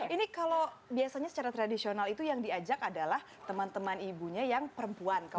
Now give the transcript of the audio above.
ini kalau biasanya secara tradisional itu yang diajak adalah teman teman ibunya yang perempuan